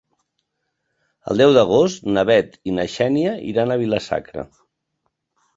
El deu d'agost na Bet i na Xènia iran a Vila-sacra.